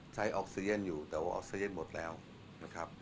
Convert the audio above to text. ใช้ออกซีเย็นอยู่แต่ว่าออกซีเย็นหมดแล้วนะครับ